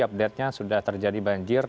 update nya sudah terjadi banjir